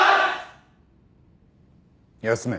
休め。